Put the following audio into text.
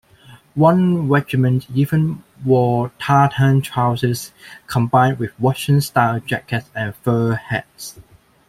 One regiment even wore tartan trousers combined with Russian-style jackets and fur hats.